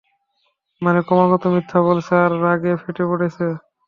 মানে, ক্রমাগত মিথ্যা বলছে আর রাগে ফেটে পড়ছে।